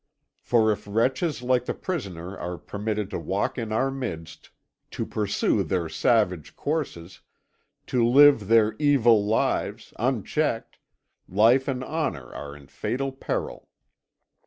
For if wretches like the prisoner are permitted to walk in our midst, to pursue their savage courses, to live their evil lives, unchecked, life and honour are in fatal peril.